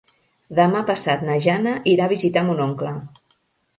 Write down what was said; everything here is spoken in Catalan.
Demà passat na Jana irà a visitar mon oncle.